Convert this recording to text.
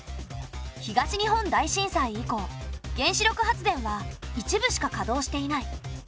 東日本大震災以降原子力発電は一部しか稼働していない。